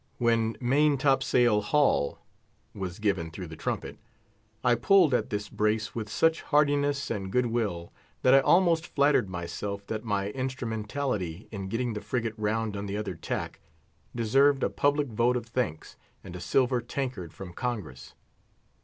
When main top sail haul! was given through the trumpet, I pulled at this brace with such heartiness and good will, that I almost flattered myself that my instrumentality in getting the frigate round on the other tack, deserved a public vote of thanks, and a silver tankard from Congress.